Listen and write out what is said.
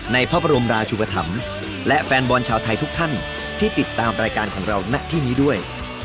ในพระบรมราชุปธรรมและแฟนบอลชาวไทยทุกท่านที่ติดตามรายการของเราณที่นี้ด้วย